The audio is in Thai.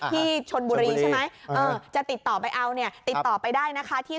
ที่ชนบุรีใช่ไหมเออจะติดต่อไปเอาเนี่ยติดต่อไปได้นะคะที่